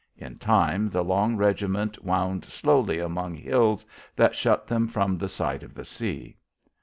In time the long regiment wound slowly among hills that shut them from sight of the sea.